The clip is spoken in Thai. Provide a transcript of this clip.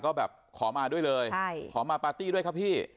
ก็แบบขอมาด้วยเลยขอมาปาร์ตี้ด้วยครับพี่